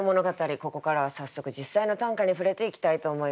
ここからは早速実際の短歌に触れていきたいと思います。